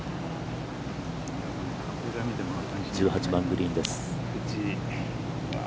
１８番グリーンです。